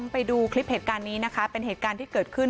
ไปดูคลิปเหตุการณ์นี้นะคะเป็นเหตุการณ์ที่เกิดขึ้น